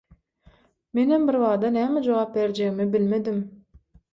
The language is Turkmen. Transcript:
Menem bir bada näme jogap berjegimi bilmedim.